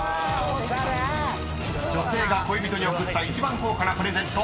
［女性が恋人に贈った一番高価なプレゼント］